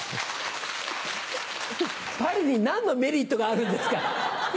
パリに何のメリットがあるんですか！